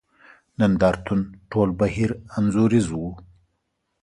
نند ارتون ټول بهیر انځوریز وو.